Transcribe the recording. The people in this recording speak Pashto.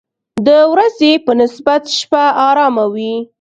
د ورځې په نسبت شپه آرامه وي.